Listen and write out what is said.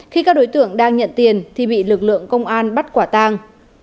khi các đối tượng đang nhận tiền thì bị lực lượng công an bắt quả tang